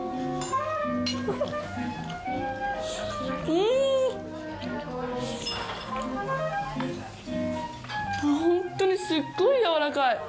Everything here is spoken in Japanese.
うーん、本当にすごいやわらかい。